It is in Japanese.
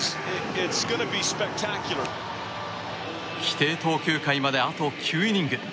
規定投球回まであと９イニング。